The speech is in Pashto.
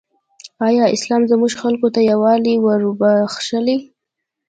ایا اسلام زموږ خلکو ته یووالی وروباخښلی؟